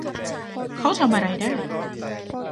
เขาทำอะไรได้